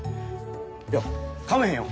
いやかめへんよ。